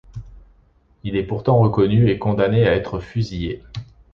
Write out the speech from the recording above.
Il est pourtant reconnu et condamné à être fusillé.